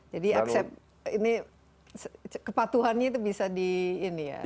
jadi kepatuhannya itu bisa dikatakan cukup patuh ya